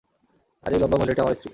আর এই লম্বা মহিলাটি আমার স্ত্রী।